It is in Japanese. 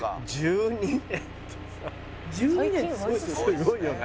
すごいよな。